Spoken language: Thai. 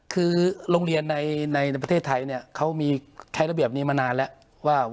คือไฟร์เลี่ยงประเทศไทยของโรงเรียนมีถั้นรำเนียนมานานวันศุกร์